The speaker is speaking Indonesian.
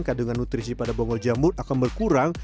kandungan nutrisi pada bonggol jamur akan berkurang